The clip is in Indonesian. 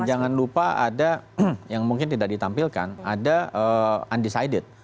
jangan lupa ada yang mungkin tidak ditampilkan ada undecided